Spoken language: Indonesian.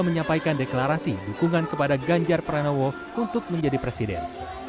menyampaikan deklarasi dukungan kepada ganjar pranowo untuk menjadi presiden